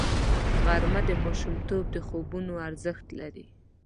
غرمه د ماشومتوب د خوبونو ارزښت لري